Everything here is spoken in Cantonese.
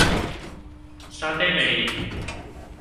沙嗲味